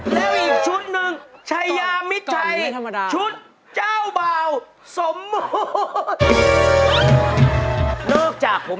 แล้วอีกชุดนึงชายามิจชัย